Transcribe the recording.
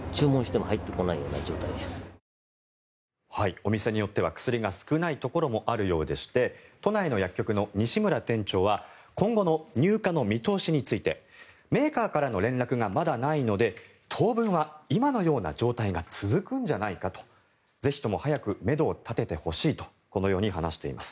お店によっては薬が少ないところもあるようでして都内の薬局の西村店長は今後の入荷の見通しについてメーカーからの連絡がまだないので当分は今のような状態が続くんじゃないかとぜひとも早くめどを立ててほしいとこのように話しています。